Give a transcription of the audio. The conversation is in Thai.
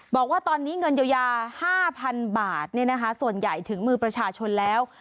บอกว่าตอนนี้เงินเยียวยา๕๐๐๐บาทส่วนใหญ่ถึงมือประชาชนแล้ว